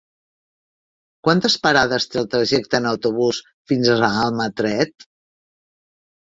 Quantes parades té el trajecte en autobús fins a Almatret?